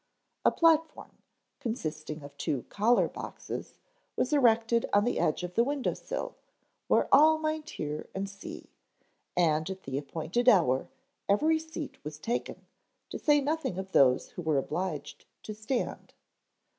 A platform, consisting of two collar boxes, was erected on the edge of the window sill where all might hear and see; and at the appointed hour every seat was taken, to say nothing of those who were obliged to stand.